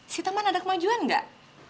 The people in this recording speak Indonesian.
sita man ada kemajuan gak